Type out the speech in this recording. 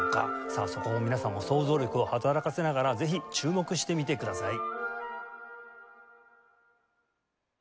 さあそこを皆さんも想像力を働かせながらぜひ注目してみてください。